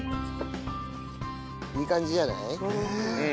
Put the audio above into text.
いい感じじゃない？